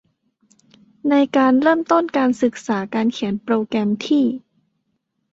ในการเริ่มต้นศึกษาการเขียนโปรแกรมที่